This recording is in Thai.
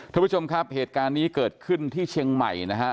ท่านผู้ชมครับเหตุการณ์นี้เกิดขึ้นที่เชียงใหม่นะฮะ